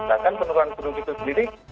bahkan penurunan gunung itu sendiri